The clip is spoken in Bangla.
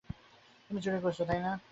তুমি চুরি করেছ, তাই না!